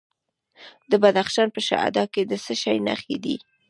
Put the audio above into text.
د بدخشان په شهدا کې د څه شي نښې دي؟